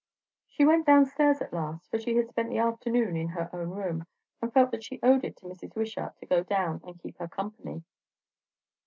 She went down stairs at last, for she had spent the afternoon in her own room, and felt that she owed it to Mrs. Wishart to go down and keep her company.